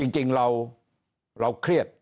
จริงเราเครียด